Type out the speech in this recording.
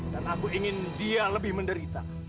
dan aku ingin dia lebih menderita